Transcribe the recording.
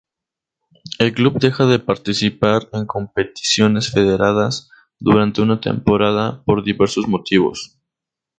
El club deja de participar en competiciones federadas durante una temporada por diversos motivos.